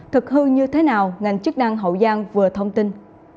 thực hư như thế nào ngành chức năng hậu giang vừa thông tin